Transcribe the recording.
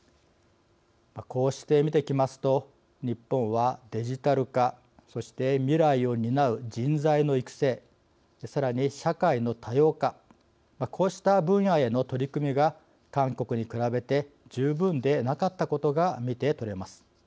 こうして見てきますと日本は「デジタル化」そして未来を担う「人材の育成」さらに「社会の多様化」こうした分野への取り組みが韓国に比べて十分でなかったことが見て取れます。